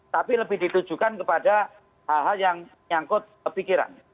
tapi lebih ditujukan kepada hal hal yang nyangkut pikiran